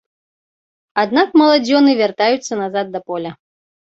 Аднак маладзёны вяртаюцца назад да поля.